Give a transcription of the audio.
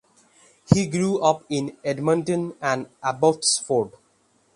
He grew up in Edmonton and Abbotsford.